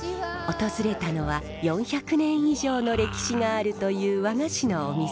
訪れたのは４００年以上の歴史があるという和菓子のお店です。